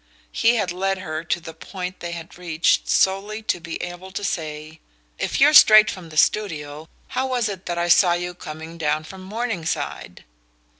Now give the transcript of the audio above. He had led her to the point they had reached solely to be able to say: "If you're straight from the studio, how was it that I saw you coming down from Morningside?"